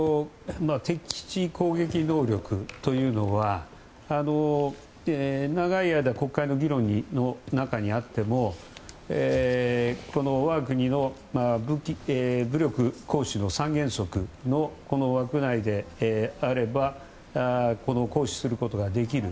敵基地攻撃能力というのは長い間国会の議論の中にあってもこの我が国の武力行使の三原則の枠内であれば行使することができる